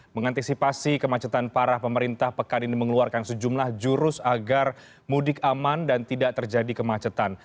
mengantisipasi kemacetan parah pemerintah pekan ini mengeluarkan sejumlah jurus agar mudik aman dan tidak terjadi kemacetan